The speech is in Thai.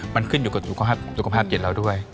มันขึ้นอยู่กับสุขภาพจิตเราด้วย